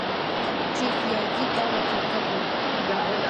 tsiqllaykita wachakakuy.